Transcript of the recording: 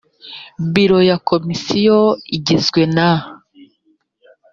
biro ya komisiyo igizwe na…